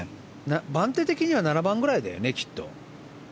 番手的に７番ぐらいだよねきっと。